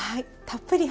たっぷり。